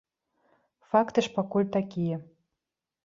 Факты ж пакуль такія.